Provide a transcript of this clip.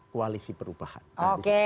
koalisi perubahan oke